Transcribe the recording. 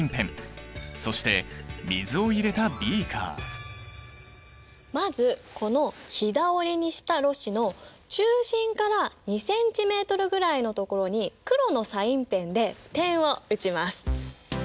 使うのはまずこのひだ折りにしたろ紙の中心から２ｃｍぐらいのところに黒のサインペンで点を打ちます。